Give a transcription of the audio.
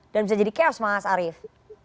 dan bisa jadi chaos mas arief